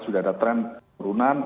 sudah ada trend turunan